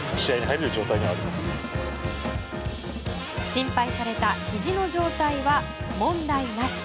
心配されたひじの状態は問題なし。